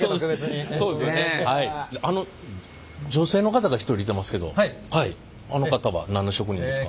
あの女性の方が１人いてますけどあの方は何の職人ですか？